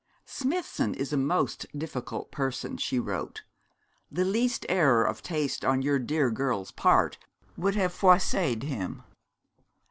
'Smithson is a most difficult person,' she wrote. 'The least error of taste on your dear girl's part would have froisséd him.